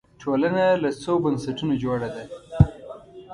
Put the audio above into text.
ټولنه له څو بنسټونو جوړه ده